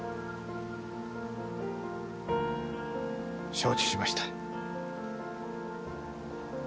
承知しました。